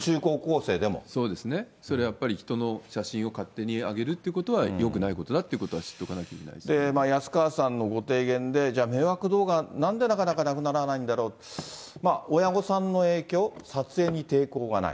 それやっぱり、人の写真を勝手に上げるってことはよくないことだっていうことは安川さんのご提言で、じゃあ、迷惑動画、なんでなかなかなくならないんだろう、親御さんの影響、撮影に抵抗がない。